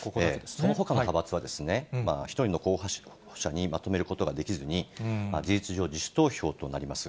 そのほかの派閥はですね、１人の候補者にまとめることができずに、事実上、自主投票となります。